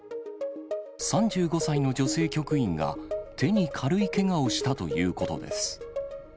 ３５歳の女性局員が手に軽いけがをしたということです。